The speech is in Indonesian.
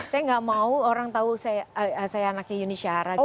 saya gak mau orang tahu saya anaknya yuni syara gitu